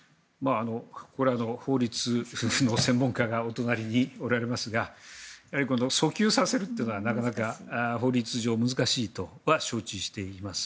これは法律の専門家がお隣におられますが訴求させるというのは法律上なかなか難しいとは承知しています。